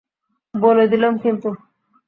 বলে দিলাম কিন্তু।